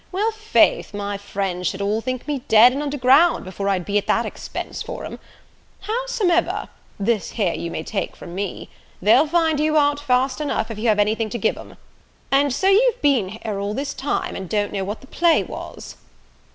Well, faith, my friends should all think me dead and underground before I'd be at that expense for 'em. Howsomever this here you may take from me they'll find you out fast enough if you have anything to give 'em. And so you've been here all this time, and don't know what the play was?"